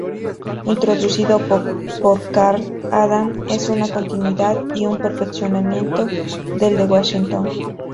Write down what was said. Introducido por Karl Adam es una continuidad y un perfeccionamiento del de Washington.